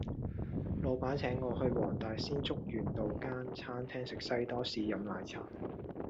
老闆請我去黃大仙竹園道間餐廳食西多士飲奶茶